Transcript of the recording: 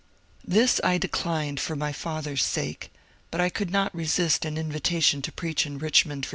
This I declined for my father's sake, but I could not resist an invitation to preach in Richmond, Ya.